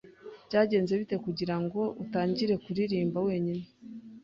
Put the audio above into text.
byagenze bite kugira ngo utangire kuririmba wenyine